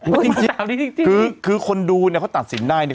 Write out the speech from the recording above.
มันจะหยุดปากจริงคือคือคนดูเนี่ยเขาตัดสินได้